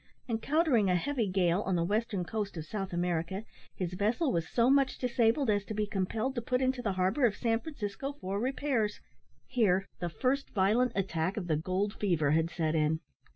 Encountering a heavy gale on the western coast of South America, his vessel was so much disabled as to be compelled to put into the harbour of San Francisco for repairs. Here the first violent attack of the gold fever had set in.